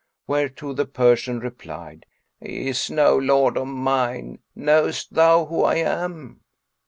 Whereto the Persian replied, "He is no lord of mine: knowest thou who I am?"